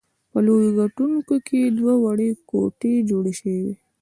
په لویو ګټونو کې دوه وړې کوټې جوړې شوې وې.